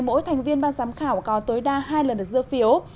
mỗi thành viên mà giám khảo có tối đa hai lần được giữ phiếu